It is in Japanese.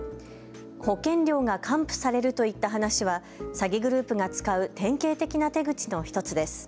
保険料が還付されるといった話は詐欺グループが使う典型的な手口の１つです。